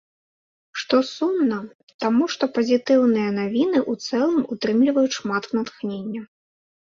Што сумна, таму што пазітыўныя навіны ў цэлым утрымліваюць шмат натхнення.